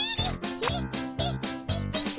ピッピッピピピ！